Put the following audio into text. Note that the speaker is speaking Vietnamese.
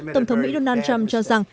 tổng thống mỹ donald trump cho rằng